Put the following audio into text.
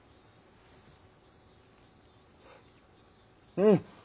うん。